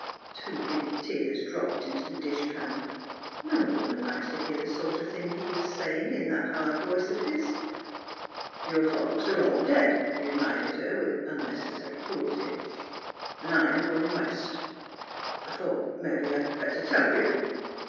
Two big tears dropped into the dishpan. No woman likes to hear the sort of thing he was say ing in that hard voice of his. '' Your folks are all dead," he reminded her, with unnecessary cruelty. '' An' I'm goin' West. I thought mebbe I'd better tell you."